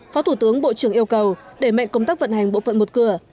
phó thủ tướng bộ trưởng yêu cầu đẩy mạnh công tác vận hành bộ phận một cửa